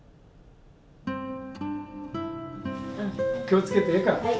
気をつけてええか。